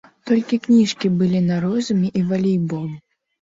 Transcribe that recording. Толькі кніжкі былі на розуме і валейбол.